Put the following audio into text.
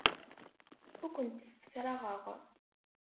Ur kent-ssefraɣeɣ.